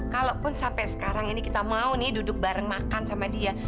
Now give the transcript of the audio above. kalaupun sampai sekarang ini kita mau nih duduk bareng makan sama dia